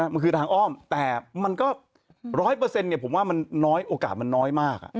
มันคือทางอ้อมแต่มันก็ร้อยเปอร์เซ็นต์เนี่ยผมว่ามันน้อยโอกาสมันน้อยมาก